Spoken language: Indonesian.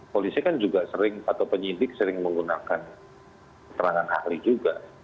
polisi kan juga sering atau penyidik sering menggunakan keterangan ahli juga